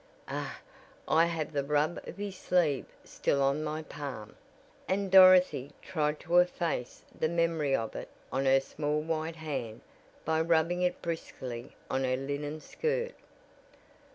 Ugh, I have the rub of his sleeve still on my palm," and Dorothy tried to efface the memory of it on her small white hand by rubbing it briskly on her linen skirt.